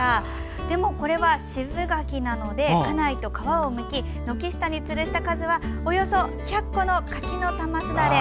でも、これは渋柿なので家内と皮をむき軒下につるした数はおよそ１００個の柿の玉すだれ。